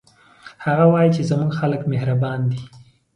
هغه وایي چې زموږ خلک مهربانه دي